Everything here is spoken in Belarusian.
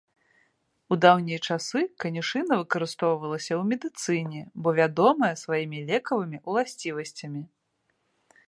У даўнія часы канюшына выкарыстоўвалася ў медыцыне, бо вядомая сваімі лекавымі ўласцівасцямі.